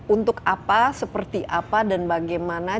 untuk apa seperti apa dan bagaimana